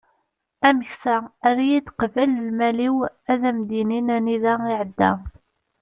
ameksa err-iyi-d qbel lmal-iw ad am-d-inin anida iεedda